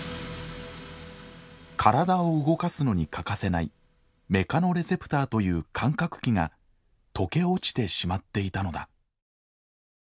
体を動かすのに欠かせないメカノレセプターという感覚器が溶け落ちてしまっていたのだ。